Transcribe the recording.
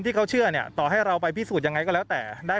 ที่เขาเชื่อเนี่ยต่อให้เราไปพิสูจน์ยังไงก็แล้วแต่ได้